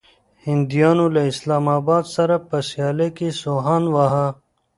هنديانو له اسلام اباد سره په سيالۍ کې سوهان واهه.